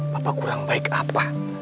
papa kurang baik apa